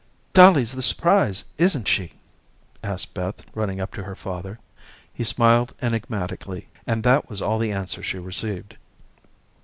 "Dolly's the surprise, isn't she?" asked Beth, running up to her father. He smiled enigmatically, and that was all the answer she received.